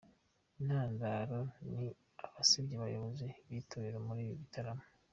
Intandaro ni abasebya abayobozi b’Itorero muri ibi bitaramo.